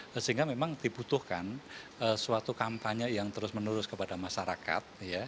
sehingga memang dibutuhkan suatu kampanye yang terus menerus kepada masyarakat